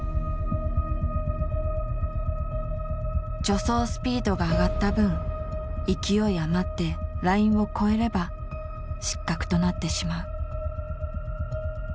助走スピードが上がった分勢い余ってラインを越えれば失格となってしまう。